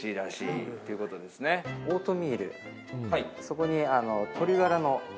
そこに鶏がらの。